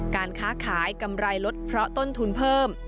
การค้าขายกำไรลดเพราะต้นทุนเพิ่ม